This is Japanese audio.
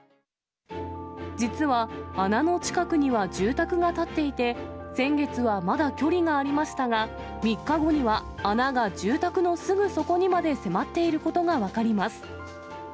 実は、穴の近くには住宅が建っていて、先月はまだ距離がありましたが、３日後には穴が住宅のすぐそこにまで迫っていることが分かります。